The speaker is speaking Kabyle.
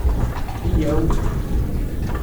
Yyaw!